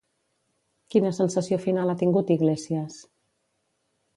Quina sensació final ha tingut Iglesias?